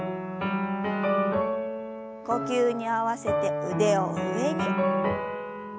呼吸に合わせて腕を上に。